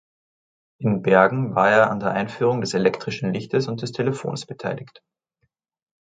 In Bergen war er an der Einführung des elektrischen Lichtes und des Telefons beteiligt.